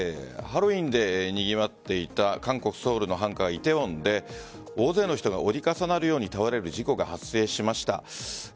ハロウィーンでにぎわっていた韓国・ソウルの繁華街梨泰院で大勢の人が折り重なるように倒れる事故が発生しました。